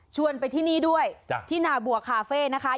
ไปที่นี่ด้วยที่นาบัวคาเฟ่นะคะ